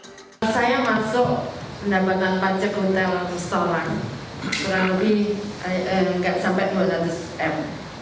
saya masuk pendapatan panjang keuntungan seratus persen kurang lebih sampai dua ratus persen